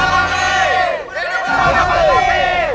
hidup balapati hidup balapati